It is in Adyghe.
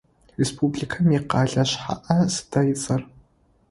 Республикэм икъэлэ шъхьаӏэ сыда ыцӏэр?